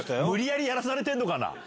無理やりやらされてんのかな？